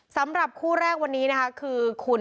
สำหรับคู่แรกวันนี้นะคะคือคุณ